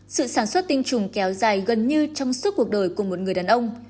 sự sản xuất tinh trùng kéo dài gần như trong suốt cuộc đời của một người đàn ông